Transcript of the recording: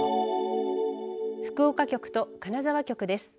福岡局と金沢局です。